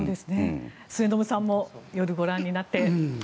末延さんも夜、ご覧になって。